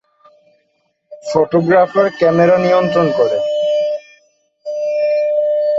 Photographer camera নিয়ন্ত্রণ করেন।